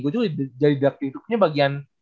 gue juga jadi direct hitupnya bagian